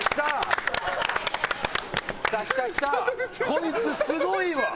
こいつすごいわ！